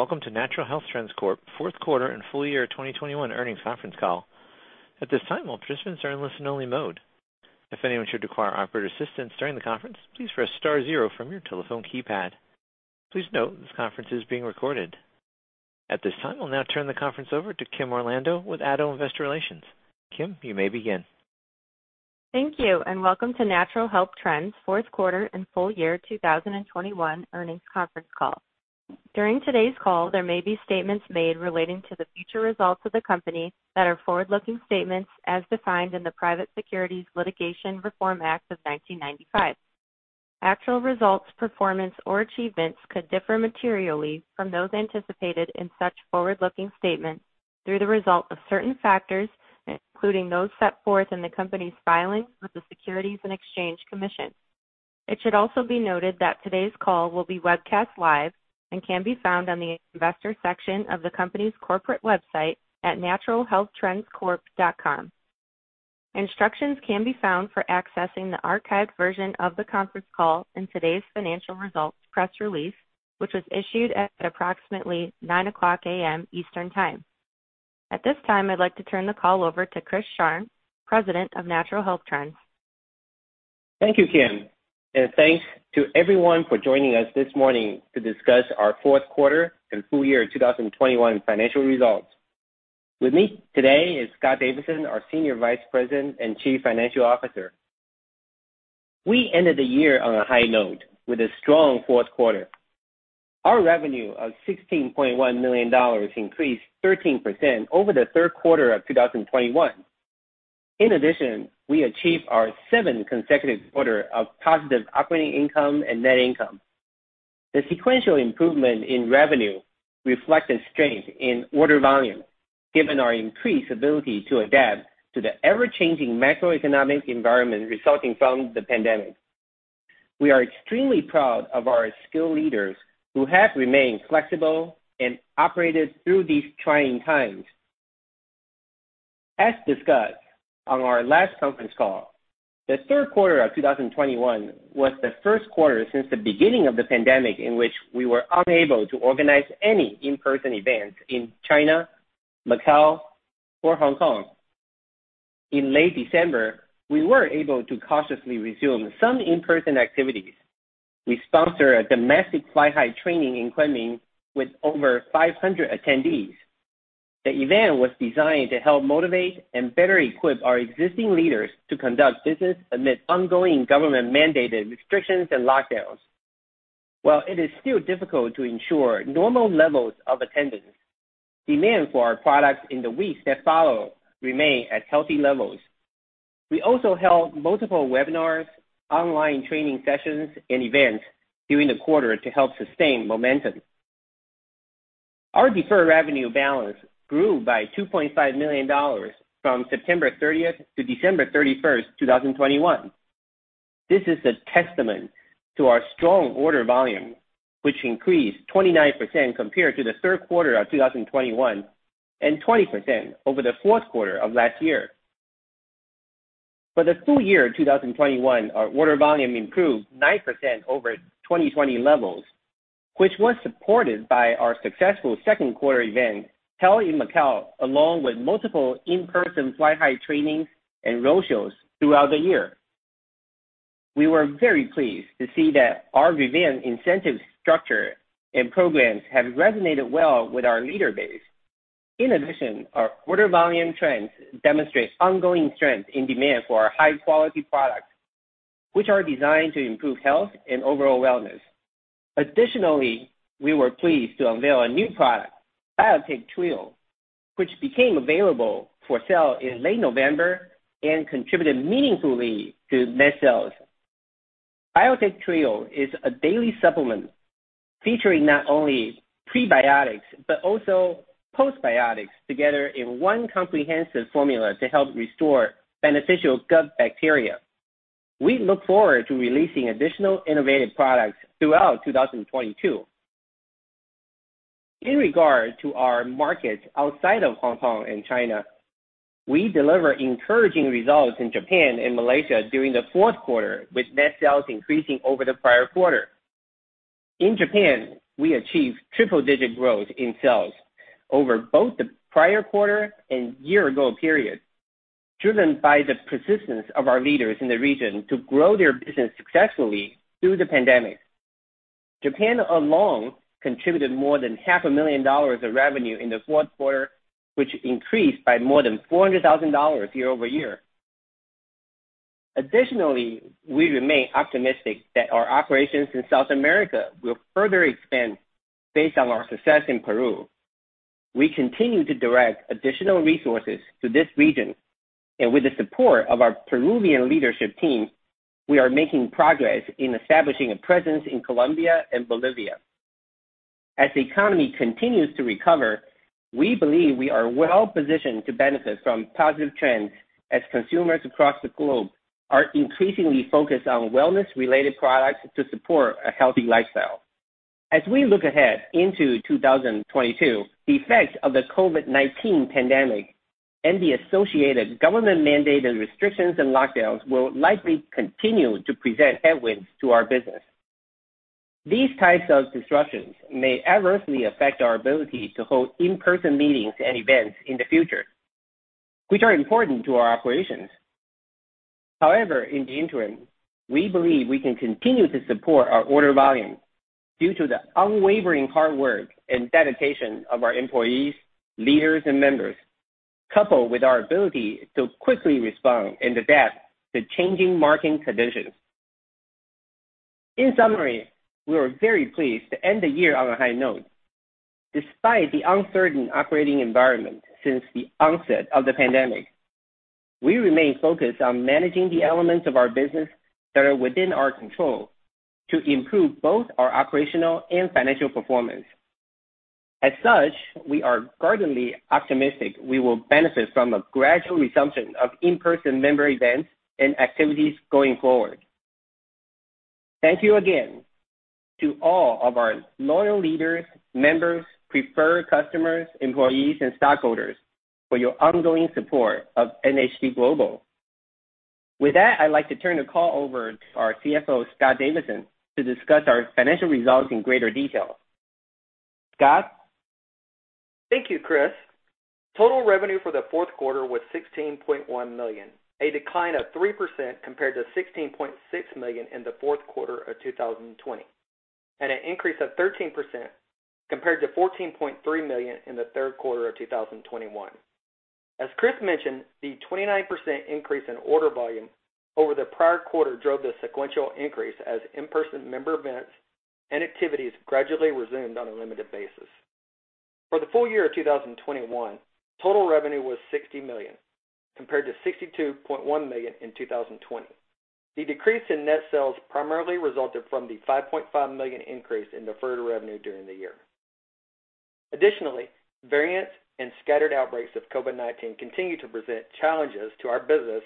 Welcome to Natural Health Trends Corp. fourth quarter and full year 2021 earnings conference call. At this time, all participants are in listen-only mode. If anyone should require operator assistance during the conference, please press star zero from your telephone keypad. Please note this conference is being recorded. At this time, we'll now turn the conference over to Kim Orlando with ADDO Investor Relations. Kim, you may begin. Thank you, and welcome to Natural Health Trends fourth quarter and full year 2021 earnings conference call. During today's call, there may be statements made relating to the future results of the company that are forward-looking statements as defined in the Private Securities Litigation Reform Act of 1995. Actual results, performance, or achievements could differ materially from those anticipated in such forward-looking statements through the result of certain factors, including those set forth in the company's filings with the Securities and Exchange Commission. It should also be noted that today's call will be webcast live and can be found on the investor section of the company's corporate website at naturalhealthtrendscorp.com. Instructions can be found for accessing the archived version of the conference call in today's financial results press release, which was issued at approximately 9:00A.M. Eastern Time. At this time, I'd like to turn the call over to Chris Sharng, President of Natural Health Trends. Thank you, Kim, and thanks to everyone for joining us this morning to discuss our fourth quarter and full year 2021 financial results. With me today is Scott Davidson, our Senior Vice President and Chief Financial Officer. We ended the year on a high note with a strong fourth quarter. Our revenue of $16.1 million increased 13% over the third quarter of 2021. In addition, we achieved our seventh consecutive quarter of positive operating income and net income. The sequential improvement in revenue reflected strength in order volume, given our increased ability to adapt to the ever-changing macroeconomic environment resulting from the pandemic. We are extremely proud of our skilled leaders who have remained flexible and operated through these trying times. As discussed on our last conference call, the third quarter of 2021 was the first quarter since the beginning of the pandemic in which we were unable to organize any in-person events in China, Macau, or Hong Kong. In late December, we were able to cautiously resume some in-person activities. We sponsored a domestic Fly High training in Kunming with over 500 attendees. The event was designed to help motivate and better equip our existing leaders to conduct business amid ongoing government-mandated restrictions and lockdowns. While it is still difficult to ensure normal levels of attendance, demand for our products in the weeks that follow remain at healthy levels. We also held multiple webinars, online training sessions, and events during the quarter to help sustain momentum. Our deferred revenue balance grew by $2.5 million from September 30 to December 31, 2021. This is a testament to our strong order volume, which increased 29% compared to the third quarter of 2021 and 20% over the fourth quarter of last year. For the full year 2021, our order volume improved 9% over 2020 levels, which was supported by our successful second quarter event held in Macau, along with multiple in-person Fly High training and road shows throughout the year. We were very pleased to see that our revamped incentive structure and programs have resonated well with our leader base. In addition, our order volume trends demonstrate ongoing strength in demand for our high-quality products, which are designed to improve health and overall wellness. Additionally, we were pleased to unveil a new product, Biotic Trio, which became available for sale in late November and contributed meaningfully to net sales. Biotic Trio is a daily supplement featuring not only prebiotics but also postbiotics together in one comprehensive formula to help restore beneficial gut bacteria. We look forward to releasing additional innovative products throughout 2022. In regards to our markets outside of Hong Kong and China, we delivered encouraging results in Japan and Malaysia during the fourth quarter, with net sales increasing over the prior quarter. In Japan, we achieved triple-digit growth in sales over both the prior quarter and year-ago period, driven by the persistence of our leaders in the region to grow their business successfully through the pandemic. Japan alone contributed more than half a million dollars of revenue in the fourth quarter, which increased by more than $400,000 year-over-year. Additionally, we remain optimistic that our operations in South America will further expand based on our success in Peru. We continue to direct additional resources to this region, and with the support of our Peruvian leadership team, we are making progress in establishing a presence in Colombia and Bolivia. As the economy continues to recover, we believe we are well positioned to benefit from positive trends as consumers across the globe are increasingly focused on wellness-related products to support a healthy lifestyle. As we look ahead into 2022, the effects of the COVID-19 pandemic and the associated government-mandated restrictions and lockdowns will likely continue to present headwinds to our business. These types of disruptions may adversely affect our ability to hold in-person meetings and events in the future, which are important to our operations. However, in the interim, we believe we can continue to support our order volume due to the unwavering hard work and dedication of our employees, leaders, and members, coupled with our ability to quickly respond and adapt to changing market conditions. In summary, we are very pleased to end the year on a high note. Despite the uncertain operating environment since the onset of the pandemic, we remain focused on managing the elements of our business that are within our control to improve both our operational and financial performance. As such, we are guardedly optimistic we will benefit from a gradual resumption of in-person member events and activities going forward. Thank you again to all of our loyal leaders, members, preferred customers, employees, and stockholders for your ongoing support of NHT Global. With that, I'd like to turn the call over to our CFO, Scott Davidson, to discuss our financial results in greater detail. Scott? Thank you, Chris. Total revenue for the fourth quarter was $16.1 million, a decline of 3% compared to $16.6 million in the fourth quarter of 2020, and an increase of 13% compared to $14.3 million in the third quarter of 2021. As Chris mentioned, the 29% increase in order volume over the prior quarter drove the sequential increase as in-person member events and activities gradually resumed on a limited basis. For the full year of 2021, total revenue was $60 million, compared to $62.1 million in 2020. The decrease in net sales primarily resulted from the $5.5 million increase in deferred revenue during the year. Additionally, variants and scattered outbreaks of COVID-19 continue to present challenges to our business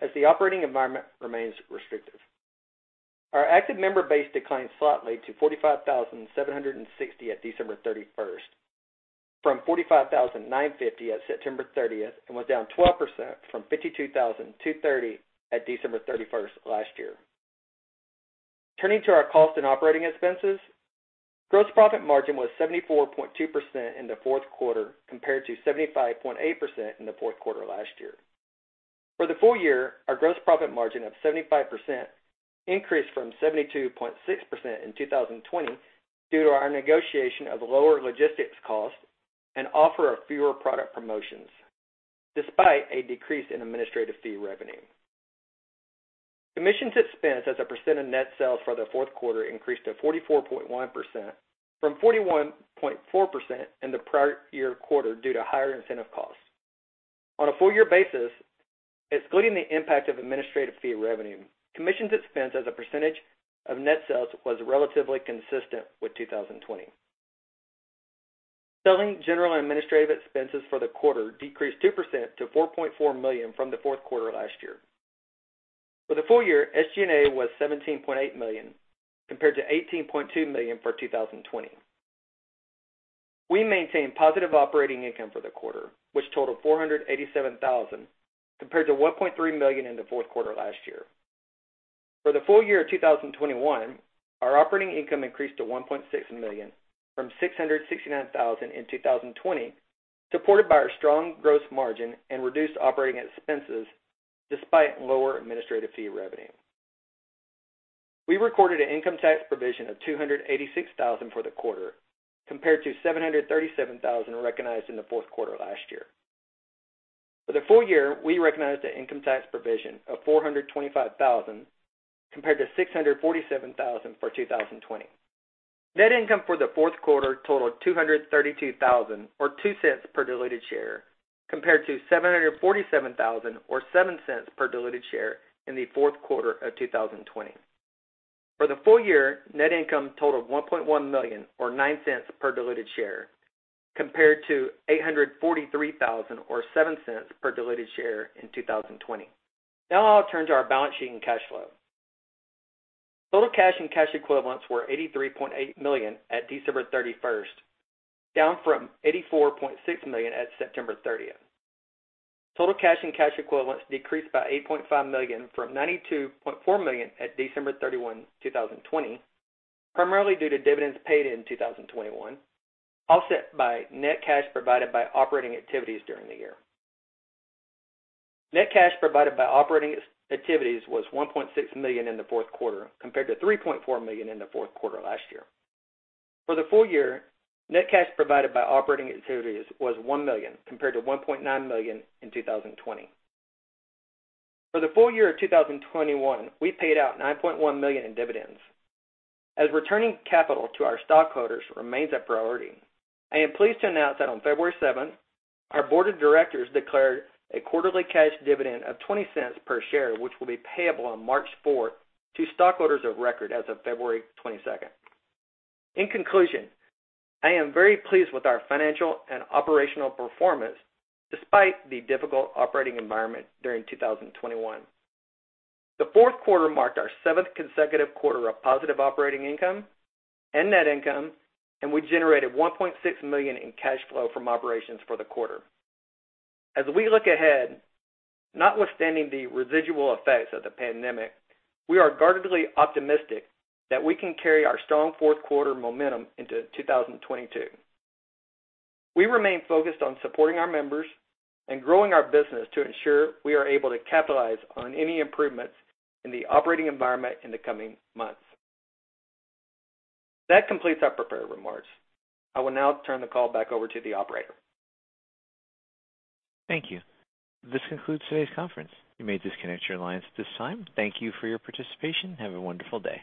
as the operating environment remains restrictive. Our active member base declined slightly to 45,760 at December 31, from 45,950 at September 30, and was down 12% from 52,230 at December 31 last year. Turning to our cost and operating expenses, gross profit margin was 74.2% in the fourth quarter compared to 75.8% in the fourth quarter last year. For the full year, our gross profit margin of 75% increased from 72.6% in 2020 due to our negotiation of lower logistics costs and offer of fewer product promotions, despite a decrease in administrative fee revenue. Commissions expense as a percent of net sales for the fourth quarter increased to 44.1% from 41.4% in the prior year quarter due to higher incentive costs. On a full year basis, excluding the impact of administrative fee revenue, commissions expense as a percentage of net sales was relatively consistent with 2020. Selling, general, and administrative expenses for the quarter decreased 2% to $4.4 million from the fourth quarter last year. For the full year, SG&A was $17.8 million compared to $18.2 million for 2020. We maintained positive operating income for the quarter, which totaled $487,000, compared to $1.3 million in the fourth quarter last year. For the full year of 2021, our operating income increased to $1.6 million from $669,000 in 2020, supported by our strong gross margin and reduced operating expenses despite lower administrative fee revenue. We recorded an income tax provision of $286,000 for the quarter, compared to $737,000 recognized in the fourth quarter last year. For the full year, we recognized an income tax provision of $425,000, compared to $647,000 for 2020. Net income for the fourth quarter totaled $232,000 or $0.02 per diluted share, compared to $747,000 or $0.07 per diluted share in the fourth quarter of 2020. For the full year, net income totaled $1.1 million or $0.09 per diluted share, compared to $843,000 or $0.07 per diluted share in 2020. Now I'll turn to our balance sheet and cash flow. Total cash and cash equivalents were $83.8 million at December 31, down from $84.6 million at September 30. Total cash and cash equivalents decreased by $8.5 million from $92.4 million at December 31, 2020, primarily due to dividends paid in 2021, offset by net cash provided by operating activities during the year. Net cash provided by operating activities was $1.6 million in the fourth quarter, compared to $3.4 million in the fourth quarter last year. For the full year, net cash provided by operating activities was $1 million, compared to $1.9 million in 2020. For the full year of 2021, we paid out $9.1 million in dividends. As returning capital to our stockholders remains a priority, I am pleased to announce that on February 7, our board of directors declared a quarterly cash dividend of $0.20 per share, which will be payable on March 4 to stockholders of record as of February 22. In conclusion, I am very pleased with our financial and operational performance despite the difficult operating environment during 2021. The fourth quarter marked our seventh consecutive quarter of positive operating income and net income, and we generated $1.6 million in cash flow from operations for the quarter. As we look ahead, notwithstanding the residual effects of the pandemic, we are guardedly optimistic that we can carry our strong fourth quarter momentum into 2022. We remain focused on supporting our members and growing our business to ensure we are able to capitalize on any improvements in the operating environment in the coming months. That completes our prepared remarks. I will now turn the call back over to the operator. Thank you. This concludes today's conference. You may disconnect your lines at this time. Thank you for your participation. Have a wonderful day.